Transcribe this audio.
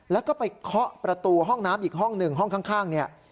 แล้วก็ไปเคาะประตูห้องน้ำอีกห้องหนึ่งห้องข้างเนี่ย